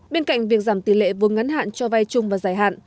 bên cạnh việc giảm tỷ lệ vốn ngắn hạn cho vai chung và giải hạn